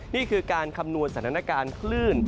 นี่คือการคำนวณสถานการณ์คลื่น